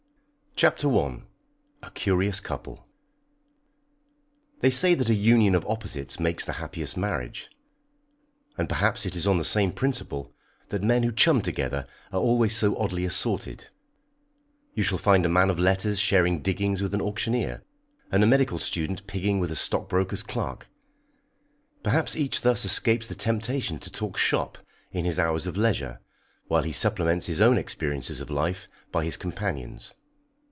_ CHAPTER I. A CURIOUS COUPLE. They say that a union of opposites makes the happiest marriage, and perhaps it is on the same principle that men who chum together are always so oddly assorted. You shall find a man of letters sharing diggings with an auctioneer, and a medical student pigging with a stockbroker's clerk. Perhaps each thus escapes the temptation to talk "shop" in his hours of leisure, while he supplements his own experiences of life by his companion's.